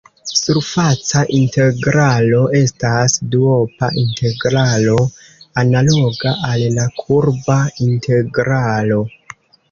Surfaca integralo estas duopa integralo analoga al la kurba integralo.